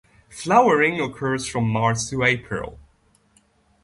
Flowering occurs from March to April.